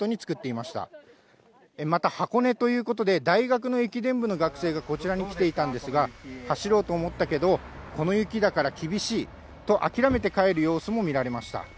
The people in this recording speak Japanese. また、箱根ということで、大学の駅伝部の学生がこちらに来ていたんですが、走ろうと思ったけど、この雪だから厳しいと、諦めて帰る様子も見られました。